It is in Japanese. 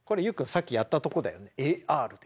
さっきやったとこだよねＡＲで。